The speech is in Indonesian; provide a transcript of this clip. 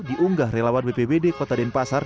diunggah relawan bpbd kota denpasar